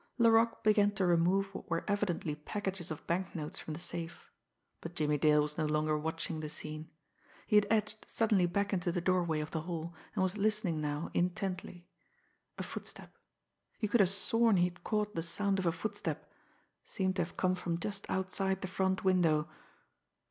Laroque began to remove what were evidently packages of banknotes from the safe but Jimmie Dale was no longer watching the scene. He had edged suddenly back into the doorway of the hall, and was listening now intently. A footstep he could have sworn he had caught the sound of a footstep seemed to have come from just outside the front window.